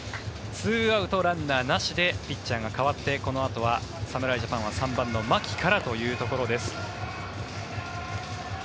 ２アウト、ランナーなしでピッチャーが代わってこのあとは侍ジャパンは３番の牧からというところです。